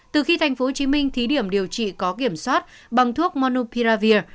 từ khi tp hcm thí điểm điều trị có kiểm soát bằng thuốc manupiravir